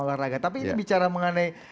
olahraga tapi bicara mengenai